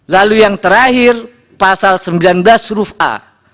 lalu yang terakhir pasal sembilan belas huruf a